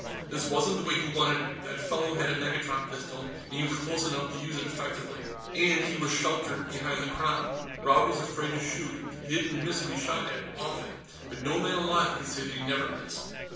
This wasn't the way he wanted it; that fellow had a negatron pistol, and he was close enough to use it effectively. And he was sheltered behind the Crown; Raud was afraid to shoot. He didn't miss what he shot at often. But no man alive could say that he never missed.